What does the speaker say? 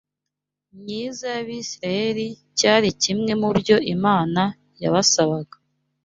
myiza y’Abisirayeli cyari kimwe mu byo Imana yabasabaga